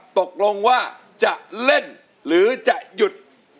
ตกลงว่าจะเล่นหรือจะหยุด